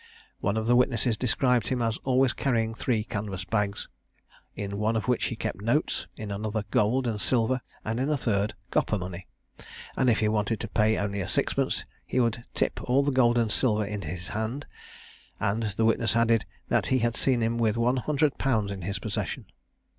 One of the witnesses described him as always carrying three canvas bags, in one of which he kept notes, in another gold and silver, and in a third copper money; and if he wanted to pay only a sixpence, he would tip all the gold and silver into his hand; and the witness added, that he had seen him with 100_l._ in his possession.